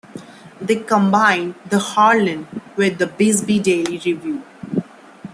They combined the "Herald" with the "Bisbee Daily Review".